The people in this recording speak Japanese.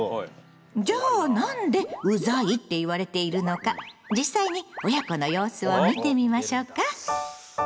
じゃあなんで「うざい」って言われているのか実際に親子の様子を見てみましょうか！